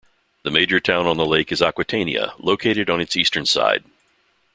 The major town on the lake is Aquitania, located on its eastern side.